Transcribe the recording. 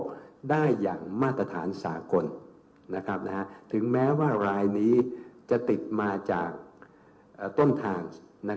ได้อย่างมาตรฐานสากลถึงแม้ว่ารายนี้จะติดมาจากต้นทาง